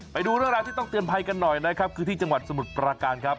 ไปดูเรื่องราวที่ต้องเตือนภัยกันหน่อยนะครับคือที่จังหวัดสมุทรประการครับ